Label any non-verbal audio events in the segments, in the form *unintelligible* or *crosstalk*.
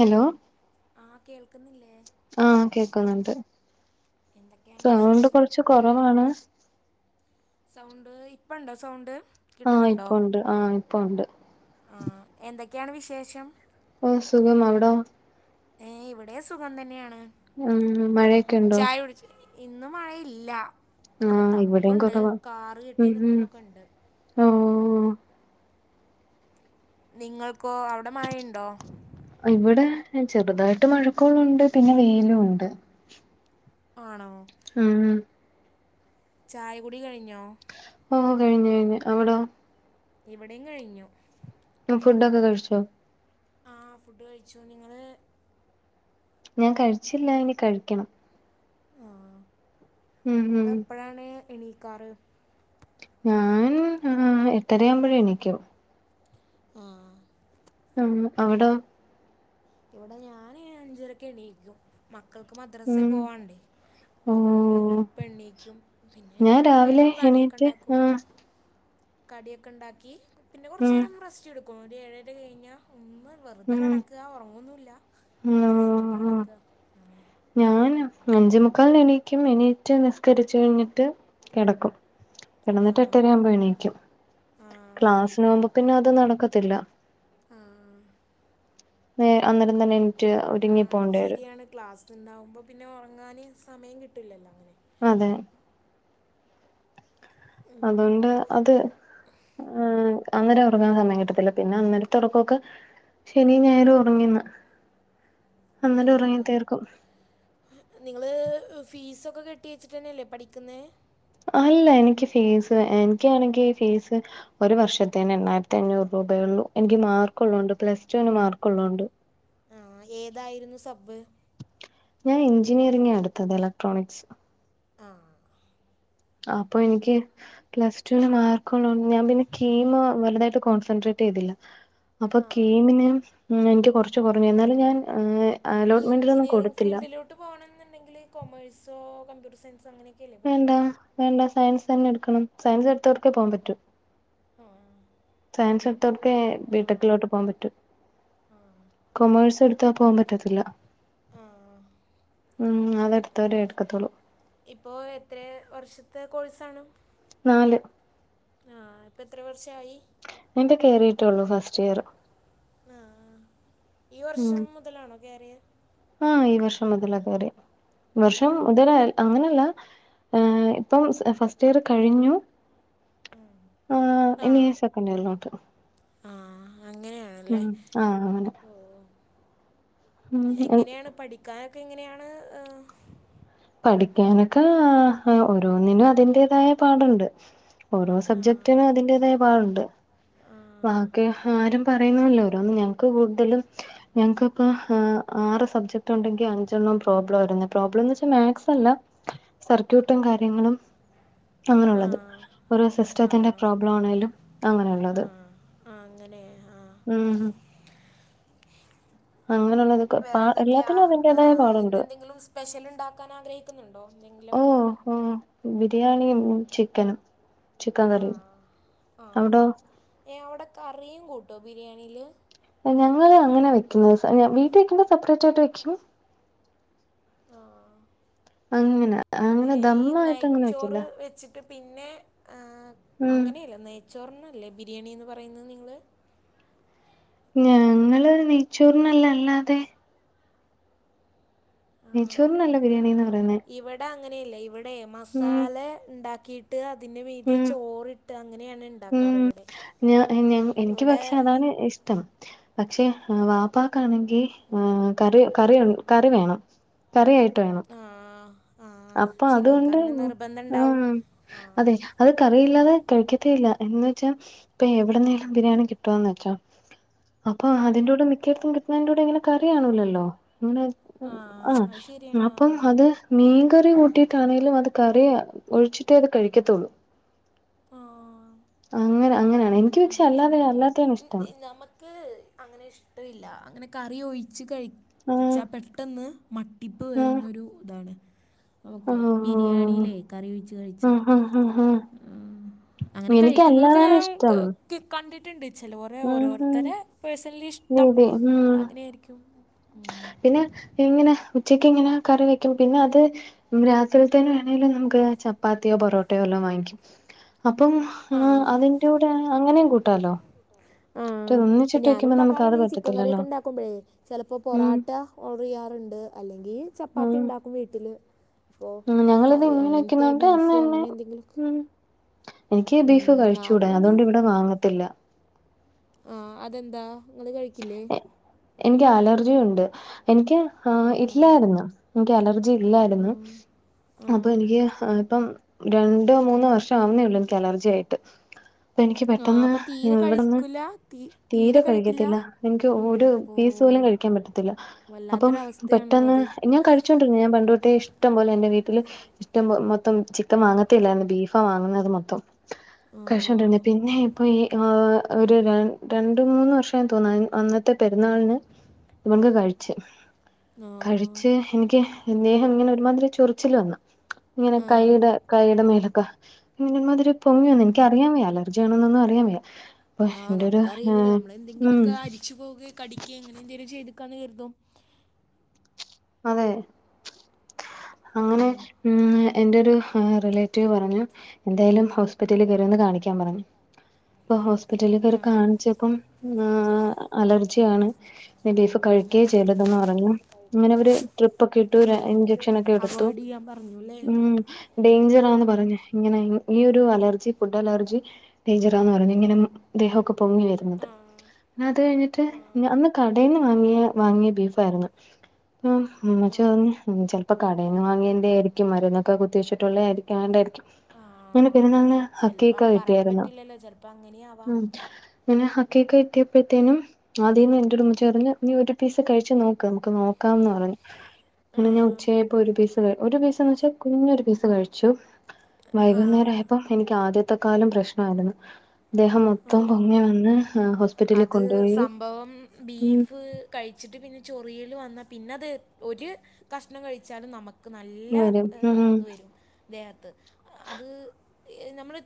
Hello ആഹ് കേൾക്കുന്നില്ലേ? ആഹ് കേൾക്കുന്നുണ്ട് എന്തൊക്കെയാണ് സൗണ്ട് വിശേഷം കൊറച്ച് കൊറവാണ്. സൗണ്ട് ഇപ്പ ഇണ്ടോ സൗണ്ട് ആഹ് ഇപ്പോണ്ട് ആഹ് ഇപ്പ ഉണ്ട് ആഹ് എന്തൊക്കെയാണ് വിശേഷം? ഓഹ് സുഖം അവിടോ? ഏഹ് ഇവിടെ സുഖം തന്നെയാണ് ഉം മഴയൊക്കെ ഉണ്ടോ ചായ കുടിച്ച? ഇന്ന് മഴയില്ല നല്ല ആഹ് ഇവിടെയും തണുപ്പുണ്ട് കുറവാ കാറ് കെട്ടി ഉം ഉം നിക്കുന്നൊക്കെ ഉണ്ട് ഓഹ് നിങ്ങൾക്കോ അവിടെ മഴയുണ്ടോ? ഇവിടെ ചെറുതായിട്ട് മഴക്കോളുണ്ട് പിന്നെ വെയിലുണ്ട്. ആണോ ഉം ചായ കുടി കഴിഞ്ഞോ ഓ കഴിഞ്ഞ് കഴിഞ്ഞ് അവിടോ ഇവിടെം കഴിഞ്ഞു ഫുഡൊക്കെ കഴിച്ചോ? ആഹ് ഫുഡ് കഴിച്ചു നിങ്ങള് ഞാൻ കഴിച്ചില്ല ഇനി കഴിക്കണം ആഹ് ഉം ഉം നിങ്ങളെപ്പഴാണ് എണീക്കാറ് ഞാനും ഏഹ് എട്ടരയാവുമ്പഴ് എണീക്കും ആഹ് ഉം അവിടോ ഇവിടെ ഞാന് അഞ്ചരക്ക് എണീക്കും മക്കക്ക് മദ്രസേ ഉം പോവാൻണ്ടെയ് അതുകൊണ്ട് ഓഹ് അപ്പ എണ്ണീക്കും പിന്നെ ഞാൻ രാവിലെ വേഗം കടിയൊക്കെ എണീറ്റ് ഉണ്ടാക്കും ആഹ് കടിയൊക്കെ ഉണ്ടാക്കി പിന്നെ ഉം കുറച്ചേരം റസ്റ്റ് എടുക്കും ഒരു ഏഴര കഴിഞ്ഞാ ഒന്ന് വെറുതെ ഉം കിടക്ക ഒറങ്ങൊന്നുല്ല ജസ്റ്റ് ഒന്ന് കിടക്ക അങ്ങനെ ഞാന് അഞ്ചെമുക്കാല്ന് എണീക്കും എണീറ്റ് നിസ്കരിച്ച് കഴിഞ്ഞിട്ട് കെടക്കും ആ, കിടന്നിട്ട് എട്ടരയാവുമ്പോ എണീക്കും ആ, ക്ലാസിന് പോവുമ്പോ പിന്നെ അത് നടക്കത്തില്ല ആഹ് ഏഹ് അന്നരം തന്നെ എണീറ്റ് ഒരുങ്ങി ആഹ് അത് പോകേണ്ടി വരും ശരിയാണ് ക്ലാസ് ഉണ്ടാവുമ്പോ പിന്നെ ഉറങ്ങാന് സമയം കിട്ടൂല്ലല്ലോ അങ്ങനെ അതെ ഉം. അതോണ്ട് അത് ഏഹ് അന്നേരം ഒറങ്ങാൻ സമയം കിട്ടത്തില്ല പിന്നെ അന്നേരത്തെ ഒറക്കൊക്കെ ശനിം ഞായറും ഒറങ്ങിന്ന് ആഹ് തീർക്കും ഏഹ് നിങ്ങള് ഫീസൊക്കെ കെട്ടി വെച്ചിട്ടന്നെയല്ലേ പഠിക്കുന്നേ അല്ല എനിക്ക് ഫീസ് എനിക്കാണെങ്കി ഫീസ് ഒരു വർഷത്തേന് എണ്ണായിരത്തി അഞ്ഞൂറ് രൂപയൊള്ളൂ എനിക്ക് മാർക്ക് ഉള്ളോണ്ട് പ്ലസ് ടുവിന് മാർക്ക്ള്ളോണ്ട് ആഹ് ഏതായിരുന്നു സബ് ഞാൻ എഞ്ചിനീയറിംഗാ എടുത്തത് എലക്ട്രോണിക്സ് ആഹ് അപ്പൊ എനിക്ക് പ്ലസ്ടുവിന് മാർക്ക്ള്ളോണ്ട് ഞാൻ പിന്നെ കീമ് വലുതായിട്ട് കോൺസെൻട്രേറ്റ് ചെയ്തില്ല അപ്പൊ ആ കീമിന് എനിക്ക് കുറച്ച് കുറഞ്ഞു എന്നാലും ഞാൻ ഈ അലോട്ട്മെന്റിലൊന്നും എഞ്ചിനീയറിംഗ് കൊടുത്തില്ല ഫീൽഡിലോട്ട് പോണംന്നുണ്ടെങ്കില് കൊമേഴ്സോ കമ്പ്യൂട്ടർ സയൻസോ അങ്ങനെക്കെ വേണ്ട വേണ്ട സയൻസ് തന്നെ എടുക്കണം സയൻസ് എടുത്തവർക്കെ പോവാൻ പറ്റൂ ആഹ് സയൻസ് എടുത്തോർക്കെ ബിട്ടെക്കിലോട്ട് പോവാൻ പറ്റൂ ആഹ് കൊമേഴ്സ് എടുത്താ പോവാൻ പറ്റത്തില്ല ആഹ് ഉം അതെടുത്തവരെ എടുക്കത്തൊള്ളൂ ഇപ്പോ എത്ര വർഷത്തെ കോഴ്സാണ് നാല് ആഹ് ഇപ്പൊ എത്ര വർഷായി ഞാൻതേ കേറീട്ടേള്ളൂ ഫസ്റ്റ് ഇയറ് ആഹ് ആഹ് ഈ ഉം വർഷം മുതലാണോ കേറിയേ ആഹ് ഈ വർഷം മുതലാ കേറ്യേ. ഈ ആ വർഷം മുതലായ് അങ്ങനല്ല ആഹ് ഇപ്പം സ് എഹ് ഫസ്റ്റിയറ് കഴിഞ്ഞു. ഉം. ആഹ് ഇനി യ്യ് ആ സെക്കൻ്റിയറിലോട്ട്. ആ അങ്ങനെയാണല്ലേ ഉം ആഹ് അങ്ങനെ ഉം എങ്ങനെണ് പഠിക്കാനൊക്കെ എങ്ങനെയാണ്? ഏഹ് പഠിക്കാനൊക്കെ ആഹ് എഹ് ഓരോന്നിനും അതിന്റേതായ പാടുണ്ട്. ഓരോ ആ സബ്ജക്ടിനും അതിന്റേതായ പാടുണ്ട്. ആ ബാക്കി ആരും പറയുന്നല്ലോ ഓരേന്നും. ഞങ്ങക്ക് കൂട്തലും ഞൻക്കൊക്കെ ആഹ് ആറ് സബ്ജക്ടുണ്ടെങ്കി അഞ്ചെണ്ണം പ്രോബ്ലായിരുന്നു. പ്രോബ്ലം ന്ന് വച്ച് മാക്സല്ല സർക്യൂട്ടും കാര്യങ്ങളും ആ അങ്ങനൊള്ളത്. ഒരു ആ സിസ്റ്റത്തിന്റെ പ്രോബ്ലാണെലും അങ്ങനെ ആ ഉള്ളത്. ആ അങ്ങനെ ആഹ്. ഉം അങ്ങനെള്ളത്. വേറെന്തെക്ക്യാ? എഹ് ഇന്നെന്തെങ്കിലും സ്പെഷ്യല്ണ്ടാക്കാനാഗ്രഹിക്കുന്നുണ്ടോ? എന്തെങ്കിലൊക്കെ. ആഹ് ബിരിയാണിയും ചിക്കനും ചിക്കൻ കറിയും. അവടോ? ഏഹ് അവടെ കറിയും കൂട്ടോ ബിരിയാണില്? ആഹ് ഞങ്ങള് അങ്ങനെ വെക്കുന്ന. സ *unintelligible* വീട്ടി വെക്കുമ്പോ സപ്പ്റേറ്റായിട്ട് വെക്കും. ആഹ്. അങ്ങന. ഈ നെയ്ച്ചോറ് വെച്ച് ട്ട് പിന്നെ ആഹ് ഉം അങ്ങനെയല്ലേ നെയ്ച്ചോറിനല്ലേ ബിരിയാണി ന്ന് പറയുന്ന നിങ്ങള്. ഞങ്ങള് നെയ്ച്ചൂറിനല്ല അല്ലാതെ. നെയ്ച്ചോറിനല്ല ബിരിയാണി ന്ന് പറയുന്നെ. ടാ ങ്ങനെയല്ല ഇവ്ടെ മസാല ഇണ്ടാക്കി ട്ട് അതിന്റെ മീതെ ഉം ചോറ്ട്ട് അങ്ങനെയാണ് ഉം ണ്ടാക്കാറ് ഇവടെ. ഇവടെ താണ് ഇഷ്ടം. പക്ഷേ എഹ് വാപ്പാക്കാണെങ്കി എഹ് കറി കറിൻ കറി വേണം. കറിയായിട്ട് വേണം. ആഹ് ആഹ് അപ്പൊ അതുകൊണ്ട് ചിലോർക്കങ്ങനെ നിർബന്ധണ്ടാവും. ആഹ് ആഹ് അതെ അത് കറിയില്ലാതെ കഴിക്കത്തെ ഇല്ല. എന്ന് വച്ചാ ഇപ്പം എവ്ട്ന്നേലും ബിരിയാണി കിട്ടോന്ന് വെച്ചോ. അപ്പൊ ആ അതിൻ്റൂടെ മിക്കയിടത്തും കിട്ടണേന്റെ കൂടെ ങ്ങനെ കറി കാണൂല്ലല്ലോ. ഇങ്ങനെ ആ ആഹ് അത് ശരിയാണ് ആ അപ്പം അല്ല അത് മീൻ കറി കൂട്ടിയിട്ടാന്നേലും അത് കറി ഒഴിച്ചിട്ടേ അത് കഴിക്കത്തൊള്ളൂ. ആ അങ്ങനെ അങ്ങനെയാണേം അങ്ങനെയാണല്ലേ. ഇ ഞി ഞമ്മ ക്ക് അങ്ങനെ ഇഷ്ടൊയില്ല. അങ്ങനെ കറി ഒഴിച്ച് ആഹ് കഴിച്ചാ പെട്ടെന്ന് മ ട്ടിപ്പ് ആഹ് വെര്ന്നൊരു താണ്. നമുക്ക് ആഹ് ബിരിയാണിയിലേ കറി ഒഴിച്ച് കഴിച്ചാ. ആഹ് ആഹ് ആഹ് ആഹ് ആഹ് അങ്ങനെ കഴിക്കുന്നതൊക്കെ എനിക്കല്ലാതാണ് ഞാൻ ഇഷ്ടം ക്ക് ക്ക് കണ്ടിട്ട്ണ്ട്. ചിലോരെ ഉം ഉം ഓരോരുത്തരെ പേഴ്സൺലിഷ്ടം രീതി ഉം അങ്ങനെയിരിക്കും. പിന്നെ ഇങ്ങനെ ഉച്ചക്കിങ്ങനെ കറി വെക്കും. പിന്നെ അത് രാത്രിയേത്തേന് വേണേലും നമുക്ക് ചപ്പാത്ത്യോ പൊറോട്ടയോ വല്ലോം വാങ്ങിക്കും. അപ്പം ആ അഹ് അതിൻ്റൂടെ അങ്ങനെം കൂട്ടാലോ. മറ്റേ ആഹ്. ഒന്നിച്ചിട്ട് വെക്കുമ്പോ നമുക്ക് അത് ഞാനുണ്ടാക്കാറ്ണ്ട്. ഈ ചിക്കൻ പറ്റത്തില്ലല്ലോ കറ്യൊക്കെ ണ്ടാക്കുമ്പഴേ ചെലപ്പോ ഉം പൊറാട്ട ഓർഡർ ചെയ്യാറുണ്ട്, അല്ലെങ്കിൽ ചപ്പാത്തി ഉം ഉണ്ടാക്കും വീട്ടില് ഫോ ഉം ഞങ്ങളിത് കറി ഇങ്ങനെ അങ്ങനത്തെ വെക്കുന്നോണ്ട് അന്ന് ബീഫോ തന്നെ അങ്ങനെ എന്തെങ്കിലുമൊക്കെ ഉം എനിക്ക് ഉം, ബീഫ് ഞാനും കഴിച്ചുടാ. ഒന്ന് അതുകൊണ്ട് ഇവിടെ വാങ്ങത്തില്ല ആ അതെന്താ നിങ്ങൾ കഴിക്കില്ലേ എനിക്ക് അലർജിയുണ്ട്. എനിക്ക് ആഹ് ഉം. ഇല്ലായിരുന്നു. എനിക്ക് അലർജി ഇല്ലായിരുന്നു. ആ അപ്പൊ എനിക്ക് ഇപ്പം രണ്ടോ മൂന്നോ വർഷം ആവുന്നേ ഉള്ളൂ എനിക്ക് അലർജി ആയിട്ട്. ഇപ്പം എനിക്ക് ആ പെട്ടെന്ന് അപ്പം തീരെ ഇവിടെന്ന് കഴിക്കില്ല തീ തീരെ കയ്യല്ല. കഴിക്കില്ല തില്ല ഒരു ഓ പീസ് പോലും കഴിക്കാൻ പറ്റത്തില്ല അപ്പം വല്ലാത്തൊരവസ്ഥയാണല്ലോ പെട്ടന്ന് അത് ഞാൻ ണ്ട ഞാൻ പണ്ട് തൊട്ടെ ഇഷ്ടംപലെ എന്റെ വീട്ടില് ഇഷ്ടം മൊത്തം ചിക്കൻ വാങ്ങത്തില്ലായിരുന്നു ബീഫ് ഇപ്പ വാങ്ങുന്നത് മൊത്തം ആ കഷണ്ട പിന്നെ ഇപ്പൊ ഈ ഒരു രണ്ട് മൂന്ന് വർഷം തോന്ന അന്നത്തെ ത്തെ പെരുന്നാളിന് ഇവക്ക് കഴിച്ചു കഴിച്ച് എനിക്ക് ദേഹം ഇങ്ങനെ ഒരുമാതിരി ചൊറിച്ചില് വന്നു ഇങ്ങനെ ആ ആ കൈയുടെ കൈയുടെ മേലൊക്കെ ഇമാതിരി പൊങ്ങി വന്ന് എനിക്കറിയാൻ വയ്യ അലർജിയാണൊന്നു അറിയാൻ വയ്യാ ആഹ് നമുക്കറിയില്ലല്ലോ ഉം നമ്മളെന്തെങ്കിലുമൊക്കെ അരിച്ചു പോക കടിക്കുക അങ്ങനെ എന്തെങ്കിലും ചെയ്തക്കാന്ന് കരുതോ അതെ അങ്ങനെ എന്റെ ഒരു റിലേറ്റീവ് പറഞ്ഞു എന്തായാലും ഹോസ്പിറ്റലിൽ കേറിയൊന്ന് കാണിക്ക അപ്പൊ ഹോസ്പിറ്റലിൽ കാണിച്ചപ്പം ആഹ് അലർജിയാണ് ബീഫ് കഴിക്ക ചെയ്തെന്ന് പറഞ്ഞു ഇങ്ങനെ അവര് ട്രിപ്പൊക്കെ ഇട്ടു ഇഞ്ചക്ഷനൊക്കെ എടുത്തു അവോയ്ഡ് ചെയ്യാൻ പറഞ്ഞു അല്ലേ ഉം ഡേഞ്ചറാന്ന് പറഞ്ഞ് ഇങ്ങനെ ഈ ഒരു അലർജി ഫുഡ് അലർജി ഡേഞ്ചറാന്ന് പറഞ്ഞ് ഇങ്ങനെ ദേഹൊക്കെ പൊങ്ങി വരുന്നത് അത് കഴിഞ്ഞിട്ട് അന്ന് കടയിൽന്ന് വാങ്ങിയ വാങ്ങിയ ബീഫായിരുന്നു ആഹ് ഉമ്മച്ചിറഞ് ചെലപ്പോ- മടേന്ന് വാങ്ങിയേണ്ടേയിരിക്കും മരുന്നൊക്കെ കുത്തി വെച്ചട്ടുള്ള ആയിരിക്കാണ്ടായിരിക്കും *unintelligible* അങ്ങനെ പെരുന്നൾന് ചിലപ്പോൾ ഹക്കീക്ക പറയാൻ കിട്ടിയായിരുന്നു പറ്റില്ലല്ലോ ചിലപ്പോൾ അങ്ങനെ അങ്ങനെ ഹക്കിക്ക കിട്ടിയപ്പോഴത്തേനും ആദ്യമന്ന് എന്റെ മ്മച്ചി പറഞ്ഞു നീ ഒരു പീസ് കഴിച്ചു നോക്ക് നമുക്ക് നോക്കാന്ന് പറഞ്ഞു ചേപ്പോ ഒരു പീസ് ഒരു പീസ്ന്ന് വെച്ചാൽ കുഞ്ഞൊരു പീസ് കഴിച്ചു വൈകുന്നേരം ആവാം ആയപ്പോ എനിക്ക് ആദ്യത്തെ കാലം പ്രശ്ണായിരുന്നു ദ്ദേഹം ആ, മൊത്തം പൊങ്ങി വന്ന് ഹോസ്പിറ്റലിൽ അത് കൊണ്ടുപോയി സംഭവം ഉം ബീഫ് കഴിച്ചിട്ട് പിന്നെ ചൊറിയല് വന്ന പിന്നെ അത് ഒരു കഷ്ണം കഴിച്ചാലും നമുക്ക് നല്ല വരും ഉം ഇത് വരും ദേഹത്ത് അത് നമ്മള്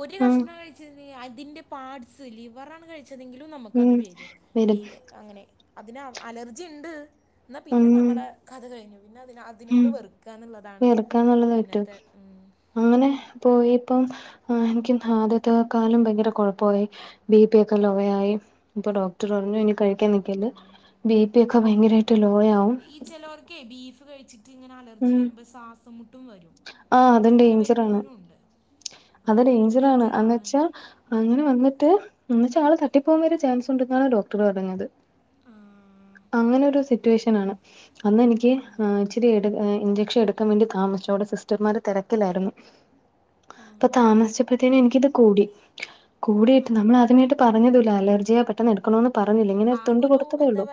ഒരു ഉം കഷ്ണം കഴിച്ച അതിന്റെ പാട്സ് ലിവറണ് കഴിച്ച ങ്കിലും നമുക്കത് ഉം വരും ബി വരും അങ്ങനെ അതിന് അലർജിണ്ട് എന്ന പിന്നെ ഉം നമ്മളെ കഥ കഴിഞ്ഞു പിന്നെ അതിന- ഉം അതിനോട് വെർക്കന്നുള്ളതാണ് വിയർക്കാന്നുള്ളത് പറ്റും പിന്നത്തെ ഉം അങ്ങനെ പോയി ഇപ്പം എനക്കും ആദ്യത്തെക്കാലും ഭയങ്കര കൊഴപ്പായി ബിപി ഒക്കെ ലോയായി ഇപ്പൊ ഡോക്ടർ പറഞ്ഞു എനി കഴിക്കാൻ നക്കല്ല് ആ. ബിപി ഒക്കെ ഭയങ്കരായിട്ട് ലോയാവും ക്കെ ബീഫ് കഴിച്ചിട്ട് ഇങ്ങനെ അലർജി വരുമ്പോ ശ്വാസം മുട്ടും വരും ആഹ് അതും അങ്ങനെ ഡേഞ്ചറാണ് വരുന്നവരും ഉണ്ട് അത് നല്ല ഡേഞ്ചർ ആണ് എന്ന് ഡേഞ്ചറാണ് വെച്ചാ ഉം. അങ്ങനെ- എന്നിട്ട് എന്നച്ച ആള് തട്ടിപ്പോകൻ വരെ ചാൻസ് ഉണ്ടെന്നാണ് ഡോക്ടർ പറഞ്ഞത് ആഹ് അങ്ങനൊരു സിറ്റുവേഷനാണ്. അന്നെനിക്ക് ആ, ഏഹ് ഇച്ചിരിയട് എഹ് ഇൻചെക്ഷൻ എട്ക്കാൻ വേണ്ടി താമസ്ച്ചോടെസ് സിസ്റ്റർമാര് തെരക്കിലായിരുന്നു ആ, അപ്പൊ താമസിച്ചപ്പത്തേനും ഇൻക്കിത് കൂടി. ആ. കൂടിയിട്ട് നമ്മളാദ്യമായിട്ട് പറഞ്ഞതൂല്ല അലർജിയെ പ ട്ടെന്ന് ട്ക്കണോന്ന് പറഞ്ഞില്ല ഇങ്ങനെ തുണ്ട് ആകൊരു കൊടുത്തതേ ഒള്ളൂ.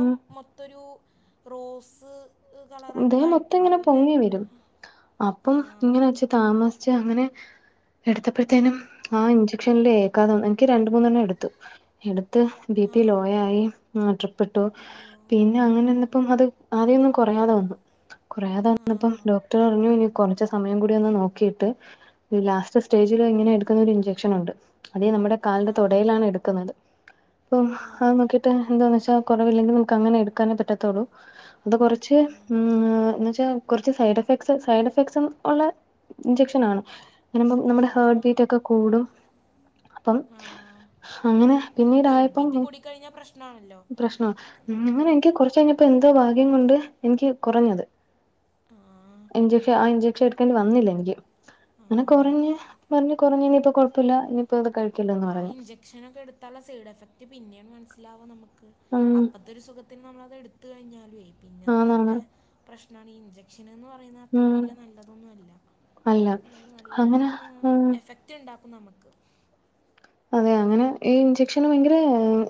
ഉം ത്തൊരു റോസ്. കളറൊക്കെ ദേഹം ആയിട്ട് മൊത്തം ങ്ങനെ നല്ല പൊങ്ങി വെരും. ആ, അപ്പം ഇങ്ങനെ വെച് താമസിച്ചാ അങ്ങനെ എട്ത്തപ്പഴത്തേനും ആ ഇഞ്ചക്ഷൻല് ഏഘാതം ഇൻ ക്ക് രണ്ട് മൂന്നെണ്ണം എട്ത്തു എട്ത്ത് ബി ആ, പി ലോയായി ആഹ് ട്രിപ്പ്ട്ടു. അയ്യോ പിന്നെ അങ്ങനെ ആ, വന്നപ്പം അത് ആദ്യൊന്നും കൊറയാതെ വന്നു കൊറയാതെ ആ, വന്നപ്പം ഡോക്ടറ് പർഞ്ഞു ഞ് കൊറച്ച് സമയം കൂടി ഒന്ന് നോക്കിട്ട് ഈ ലാസ്റ്റ് സ്റ്റേജില് ഇങ്ങനെ എട്ക്ക്ന്നൊരു ഇഞ്ചെക്ഷനുണ്ട്. അത് നമ്മടെ ആ, കാലിന്റെ തൊടയിലാണ് എട്ക്ക്ന്നത്. പ്പം ആ, അത് നോക്കിട്ട് എന്താന്ന് വെച്ചാ കൊറവില്ലെങ്കി നമക്കങ്ങനെ എട്ക്കാനേ പറ്റത്തൊള്ളൂ. ത് ച്ച് ആ, ഏഹ് ന്നെച്ചാ കൊർച്ച് സൈഡെഫെക്ട്സ് സൈഡെഫക്ട്സും ഉള്ള ഇഞ്ചക്ഷനാണ്. ഇടുമ്പം നമ്മടെ ഹേർട്ട് ആ. ബീറ്റൊക്കെ കൂടും. അപ്പം ആ അങ്ങനെ തേർഡ് പിന്നീടായപ്പം ബീറ്റ് ഞാൻ കൂടിക്കഴിഞ്ഞാൽ പ്രശ്നമാണല്ലോ പ്രശ്നാ ന്ന്ങ്ങനെ നമുക്ക് എനിക്ക് കൊർച്ചഴിഞ്ഞ പ്പൻ്റെ ഭാഗ്യം കൊണ്ട് എനിക്കി കൊറഞ്ഞത്. ആഹ്. ഇഞ്ചക്ഷന ‌ ആ ഇഞ്ചെക്ഷട്ക്കേണ്ടി വന്നില്ലെനിക്ക് ആ. അങ്ങനെ കൊറഞ്ഞ് പർഞ്ഞ് കൊർഞ്ഞ് ഇനിയിപ്പൊ കൊഴപ്പല്ല ഇനിയിപ്പത് കഴിക്കല്ലേ ന്ന് പറഞ്ഞു. ക്ഷനെക്കെട്ത്താള്ള സൈഡെഫെക്ട് പിന്നെണ് മൻസിലാവ നമ്മക്ക്. ഉം അപ്പ തൊരു സുഖത്തിന് നമ്മളത് എട്ത്ത് കഴിഞ്ഞാല്വേ പിന്നെ അത് നല്ല ആന്നാണ് പ്രശ് നാണ്. ഈ ഇൻജെക്ഷന് ന്ന് പറയുന്ന അത്രയ്ക്ക് ഉം വെല്യ നല്ലതൊന്നല്ല. അല്ല ഉം നല്ല അങ്ങനെ എഹ് ഉം എഫക്റ്റ് ണ്ടാക്കും നമക്ക്. അതെ അങ്ങനെ ഈ ഇഞ്ചെക്ഷന് ഭയങ്കര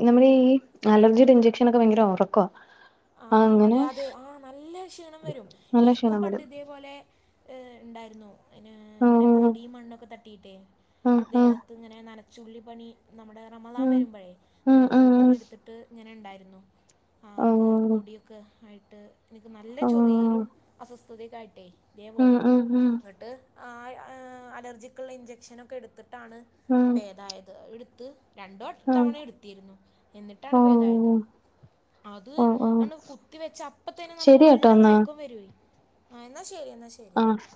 നമ്മടെ ഈ അലർജിടെ ഇഞ്ചക്ഷനൊക്കെ ഭയങ്കര ഒറക്ക. ആഹ് അതെ അതെ ആഹ് നല്ല ക്ഷീണം വെരും. നല്ല എനിക്കും ക്ഷീണം പണ്ട് വരും തേ പോലെ ഏഹ് ഇണ്ടായിരുന്നു. അയ്ന് ഇങ്ങനെ ആഹ് പൊടിം മണ്ണൊക്കെ തട്ടിട്ടെ.. ആഹ് ആഹ് ദേഹത്ത് ങ്ങനെ നനച്ചുള്ളിപ്പണി നമ്മടെ റമളാം വെരുമ്പഴേ ഉം ഉം ഉം നനച്ചുള്ളിപ്പണി ഉം എട്ത്ത് ട്ട് ഇങ്ങെനെ ണ്ടായിരുന്നു. ആഹ് ഓഹ് പൊട്യൊക്കെ ആയിട്ട് എനിക്ക് നല്ല ഓഹ് ചൊറിയലും അസ്വസ്ഥതക്കായിട്ടേ ഉം ഇതേപോലെ ഉം ഉം ങ്ങട്ട് ആഹ് എഹ് അലർജിക്ക്ള്ള ഇഞ്ചക്ഷനൊക്കെ ട്ത്ത്ട്ടാണ് ഉം പ്പേതായത് ഇട്ത്ത് രണ്ടോ ആഹ് തവണ ഇട്ത്തിരുന്നു എന്നിട്ടാണ് ഓഹ് പേതായത്. അത് ഓഹ് ഓഹ് താണ്ട് കുത്തി വെച്ച അപ്പ തെന്നെ നമുക്ക് ശരി നല്ല കേട്ടോ എന്നാ മയക്കം വെര്വേ. എന്നാ ശെരി എന്നാ ശെ ആഹ്.